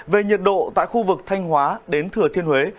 về nhiệt độ tại khu vực thanh hóa đến thừa thiên huế